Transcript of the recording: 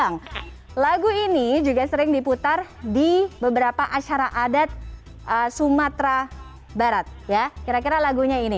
nah lagu ini juga sering diputar di beberapa acara adat sumatera barat ya kira kira lagunya ini